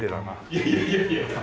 いやいやいやいや。